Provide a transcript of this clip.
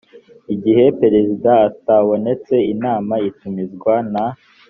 gihe perezida atabonetse inama itumizwa na